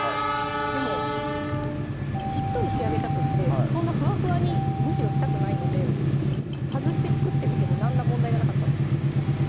でもしっとり仕上げたくってそんなふわふわにむしろしたくないので外して作ってみても何ら問題がなかったんですよね